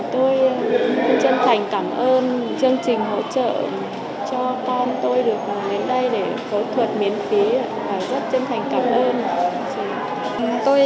tôi chân thành cảm ơn chương trình hỗ trợ cho con tôi được